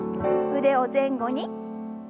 腕を前後に。